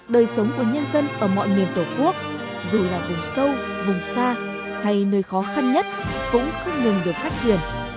đời sống của nhân dân ở mọi miền tổ quốc dù là vùng sâu vùng xa hay nơi khó khăn nhất cũng không ngừng được phát triển